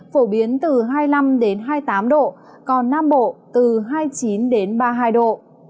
phổ biến từ hai mươi năm hai mươi tám độ còn nam bộ từ hai mươi chín ba mươi hai độ